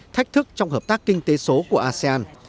thách thức trong hợp tác kinh tế số của asean